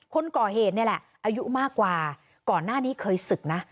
คนก่อเหตุนี่แหละอายุมากกว่าก่อนหน้านี้เคยศึกนะ